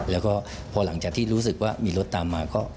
แล้วก็พอหลังจากที่รู้สึกว่ามีรถตามมาก็